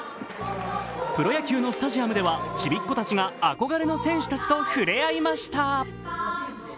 プロ野球のスタジアムではちびっこたちが憧れの選手たちとふれ合いました。